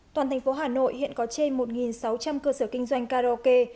toàn thành phố hà nội hiện có trên một sáu trăm linh cơ sở kinh doanh karaoke